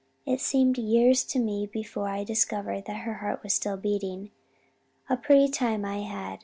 It seemed years to me before I discovered that her heart was still beating. A pretty time I had!